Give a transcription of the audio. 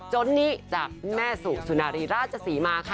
จนนี้จากแม่สุสุนารีราชศรีมาค่ะ